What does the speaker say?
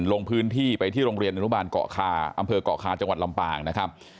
ลงพื้นที่ไปที่โรงเรียนอนุบาลเกาะคาอำเภอกเกาะคาจังหวัดลำปางนะครับ